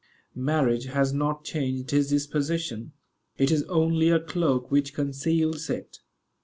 Marriage has not changed his disposition. It is only a cloak which conceals it.